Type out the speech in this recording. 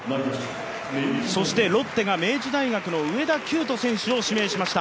そしてロッテが明治大学の上田希由翔選手を指名しました。